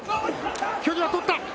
距離を取った！